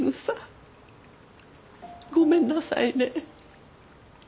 ごめんなさいね。